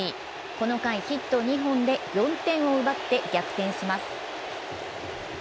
この回、ヒット２本で４点を奪って逆転します。